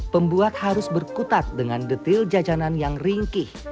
pembuat harus berkutat dengan detail jajanan yang ringkih